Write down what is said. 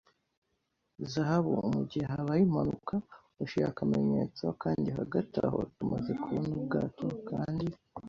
zahabu, mugihe habaye impanuka, ushira akamenyetso, kandi hagati aho. Tumaze kubona ubwato kandi